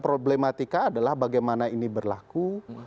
problematika adalah bagaimana ini berlaku